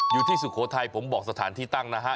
อยู่ที่สุโขทัยผมบอกสถานที่ตั้งนะฮะ